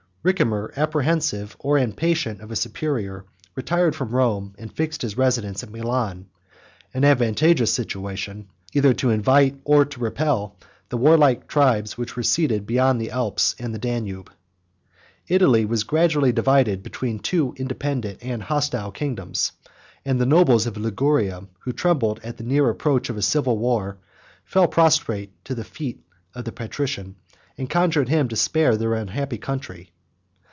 Ricimer, apprehensive, or impatient, of a superior, retired from Rome, and fixed his residence at Milan; an advantageous situation either to invite or to repel the warlike tribes that were seated between the Alps and the Danube. 102 Italy was gradually divided into two independent and hostile kingdoms; and the nobles of Liguria, who trembled at the near approach of a civil war, fell prostrate at the feet of the patrician, and conjured him to spare their unhappy country.